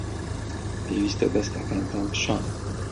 پێویستە دەستەکانتان بشۆن.